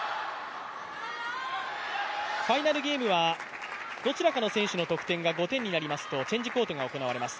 ファイナルゲームはどちらかの選手の得点が５点になりますとチェンジコートが行われます。